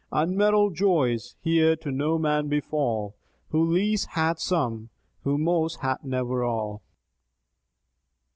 Unmingled joys here to no man befall ; Who least, hath some ; who most, hath never all.